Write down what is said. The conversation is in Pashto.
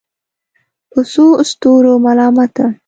په څو ستورو ملامته